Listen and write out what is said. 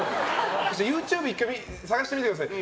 ＹｏｕＴｕｂｅ１回、探してみてください。